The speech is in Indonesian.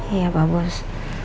iya pak bos